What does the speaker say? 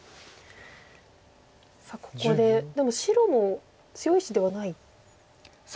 さあここででも白も強い石ではないですか？